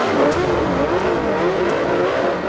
kau bawa bintang ya